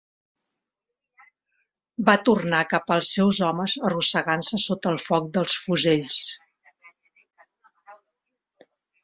Va tornar cap als seus homes arrossegant-se sota el foc dels fusells.